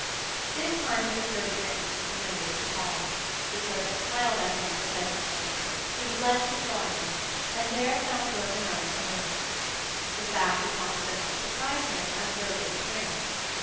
This time he procured admittance to the familiar little hall. The servant smiled at him, but said nothing. He was led to the drawing room, and there found Rhoda Nunn alone. This fact did not so much surprise him as Rhoda's appearance.